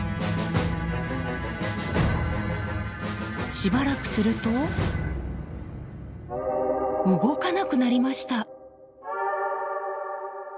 しばらくすると動かなくなりました。